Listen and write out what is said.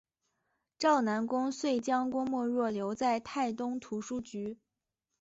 赵南公遂将郭沫若留在泰东图书局。